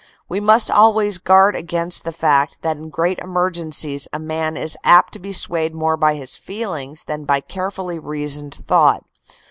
We must always guard against the fact that in great emergencies a man is apt to be swayed more by his feelings than by carefully reasoned thought.